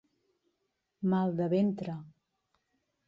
Mal de ventre.